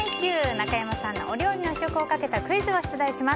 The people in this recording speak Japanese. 中山さんのお料理の試食をかけたクイズを出題します。